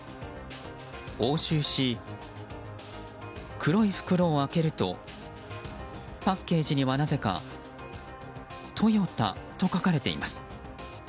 押収し、黒い袋を開けるとパッケージにはなぜかＴＯＹＯＴＡと書かれています。